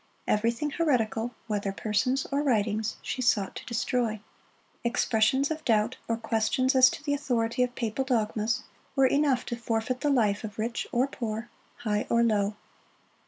Everything heretical, whether persons or writings, she sought to destroy. Expressions of doubt, or questions as to the authority of papal dogmas, were enough to forfeit the life of rich or poor, high or low.